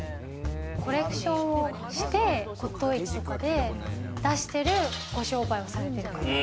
コレクションをして骨董市とかで出してるお商売をされている方。